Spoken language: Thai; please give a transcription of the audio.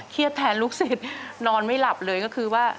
เครียดแทนลูกสิทธิ์นอนไม่หลับเลยก็คือว่า